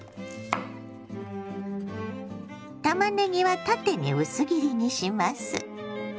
たまねぎは縦に薄切りにします。